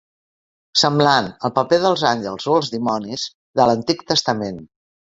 Semblant, al paper dels àngels o els dimonis de l'Antic Testament.